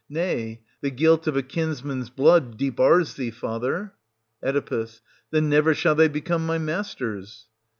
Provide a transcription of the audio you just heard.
Nay, the guilt of a kinsman's blood debars thee, father. Oe. Then never shall they become my masters.